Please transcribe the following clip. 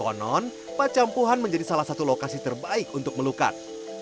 konon pacampuhan menjadi salah satu lokasi terbaik untuk melukat